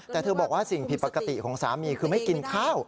แต่เธอบอกว่าสิ่งผิดปกติของสามีคือไม่กินข้าว